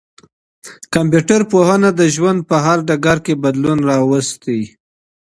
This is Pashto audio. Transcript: کمپيوټر پوهنه د ژوند په هر ډګر کي بدلون راوستی.